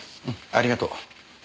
うんありがとう。